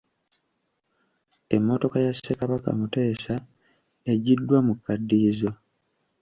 Emmotoka ya Ssekabaka Muteesa eggyiddwa mu kaddiyizo.